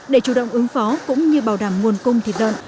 để chủ động ứng phó cũng như bảo đảm nguồn cung thịt lợn